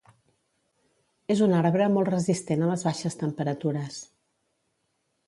És una arbre molt resistent a les baixes temperatures.